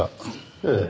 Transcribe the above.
ええ。